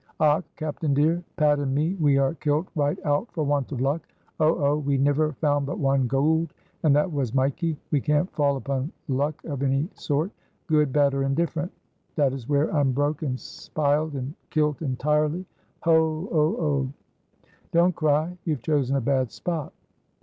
"Och! captain dear, Pat an' me we are kilt right out for want of luck. Oh! oh! We niver found but one gould and that was mikee. We can't fall upon luck of any sort good, bad or indifferent that is where I'm broke and spiled and kilt hintirely. Oh! oh! oh!" "Don't cry. You have chosen a bad spot."